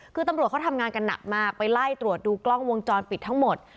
คือตำรวจเขาทำงานกันหนักมากไปไล่ตรวจดูกล้องวงจรปิดทั้งหมด